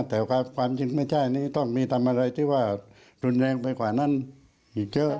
แต่ความจริงไม่ใช่นี้ต้องมีทำอะไรที่ว่ารุนแรงไปกว่านั้นอีกเยอะ